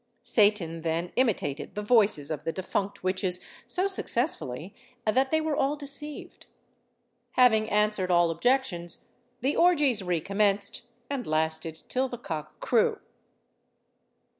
Satan then imitated the voices of the defunct witches so successfully that they were all deceived. Having answered all objections, the orgies recommenced and lasted till the cock crew.